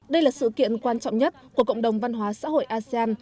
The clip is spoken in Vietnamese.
đây là sự kiện quan trọng nhất của cộng đồng văn hóa xã hội asean